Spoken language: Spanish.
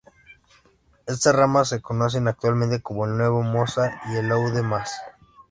Estas ramas se conocen actualmente como el Nuevo Mosa y el Oude Maas.